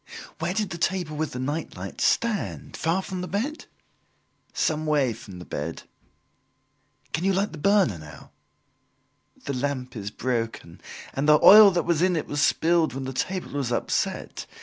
"Where did the table with the night light stand, far from the bed?" "Some way from the bed." "Can you light the burner now?" "The lamp is broken and the oil that was in it was spilled when the table was upset.